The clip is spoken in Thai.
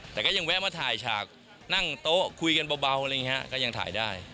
แต่ก็ยังแวะมาถ่ายฉากนั่งโต๊ะคุยกันเบาอะไรอย่างนี้ฮะก็ยังถ่ายได้